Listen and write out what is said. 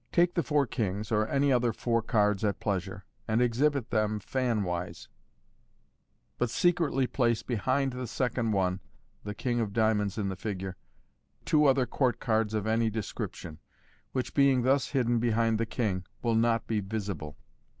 — Take the four kings (or any other four cards at pleasure), and exhibit them fan wise (see Fig. 31), but secretly place behind the second one (the king of diamonds in the figure) two other court cards of any description, which, being thus hidden behind the king, will not be visible.